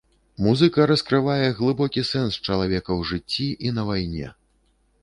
Музыка раскрывае глыбокі сэнс чалавека ў жыцці і на вайне!